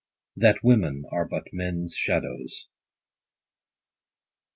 — THAT WOMEN ARE BUT MEN'S SHADOWS.